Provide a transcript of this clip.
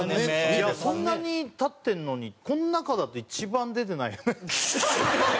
そんなに経ってるのにこの中だと一番出てないよね。